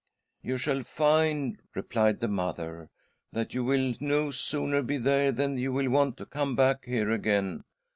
"You shall find," replied' the mother, "that you will no sooner be there than you will want to come back here again